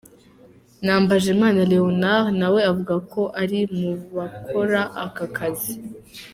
Nambajimana Leonard, na we avuga ko ari mu bakora aka akazi.